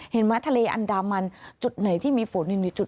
เห็นไหมทะเลอันดามันจุดไหนที่มีฝนมีจุด